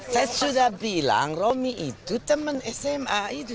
saya sudah bilang romi itu teman sma itu